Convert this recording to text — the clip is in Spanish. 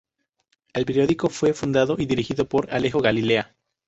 El periódico fue fundado y dirigido por Alejo Galilea.